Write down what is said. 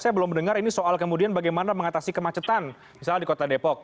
saya belum mendengar ini soal kemudian bagaimana mengatasi kemacetan misalnya di kota depok